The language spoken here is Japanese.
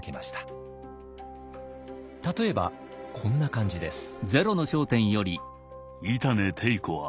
例えばこんな感じです。